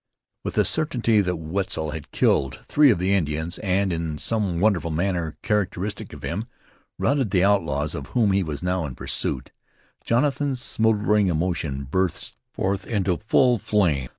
With the certainty that Wetzel had killed three of the Indians, and, in some wonderful manner characteristic of him, routed the outlaws of whom he was now in pursuit, Jonathan's smoldering emotion burst forth into full flame.